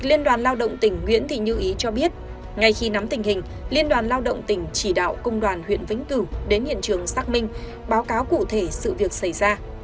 liên đoàn lao động tỉnh nguyễn thị như ý cho biết ngay khi nắm tình hình liên đoàn lao động tỉnh chỉ đạo công đoàn huyện vĩnh cửu đến hiện trường xác minh báo cáo cụ thể sự việc xảy ra